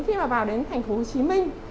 khi mà vào đến thành phố hồ chí minh